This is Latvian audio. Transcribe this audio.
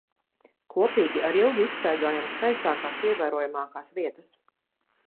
Kopīgi ar Ilgu izstaigājam skaistākās, ievērojamākās vietas.